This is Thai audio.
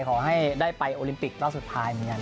ขอให้ได้ไปโอลิมปิกรอบสุดท้ายเหมือนกัน